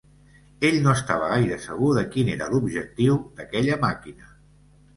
Ell no estava gaire segur de quin era l'objectiu d'aquella màquina.